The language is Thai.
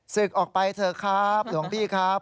ศึกออกไปเถอะครับหลวงพี่ครับ